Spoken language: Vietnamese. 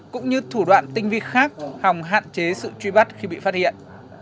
cũng như thủ đoạn tinh vi khác hòng hạn chế sự truy bắt khi bị phát hiện